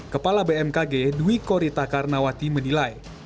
kepala bmkg dwiko ritakar nawati menilai